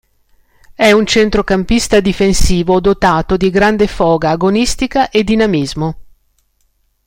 È un centrocampista difensivo dotato di grande foga agonistica e dinamismo.